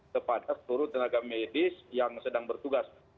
kepada seluruh tenaga medis yang sedang bertugas